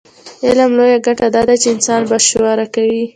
علم لویه ګټه دا ده چې انسان باشعوره کوي.